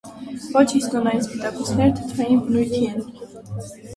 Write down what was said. Ոչ հիստոնային սպիտակուցները թթվային բնույթի են։